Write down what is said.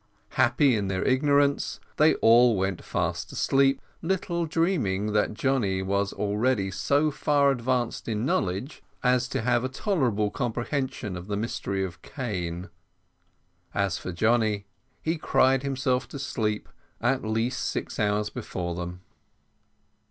Happy in their ignorance, they all went fast asleep, little dreaming that Johnny was already so far advanced in knowledge as to have a tolerable comprehension of the mystery of cane. As for Johnny, he had cried himself to sleep at least six hours before them.